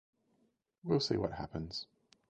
We'll see what happens.